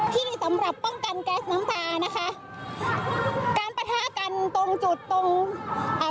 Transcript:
ที่นี่สำหรับป้องกันแก๊สน้ำตานะคะการปะทะกันตรงจุดตรงอ่า